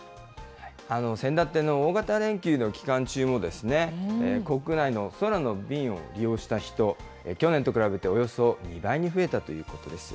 先だっての大型連休の期間中もですね、国内の空の便を利用した人、去年と比べておよそ２倍に増えたということです。